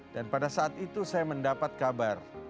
dan pada saat itu saya mendapat kabar